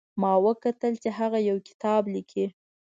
ما وکتل چې هغه یو کتاب لیکي